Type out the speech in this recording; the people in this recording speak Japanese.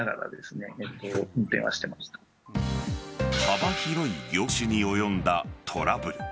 幅広い業種に及んだトラブル。